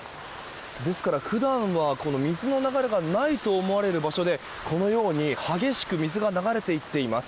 ですから普段は水の流れがないと思われる場所でこのように激しく水が流れていっています。